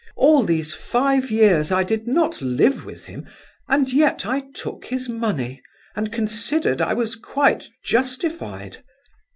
All these five years I did not live with him, and yet I took his money, and considered I was quite justified.